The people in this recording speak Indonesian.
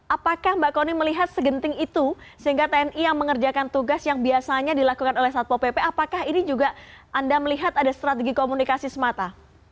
apakah mbak kony melihat segenting itu sehingga tni yang mengerjakan tugas yang biasanya dilakukan oleh satpo pp apakah ini juga anda melihat ada strategi komunikasi semata